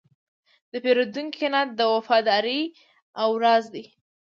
د پیرودونکي قناعت د وفادارۍ راز دی.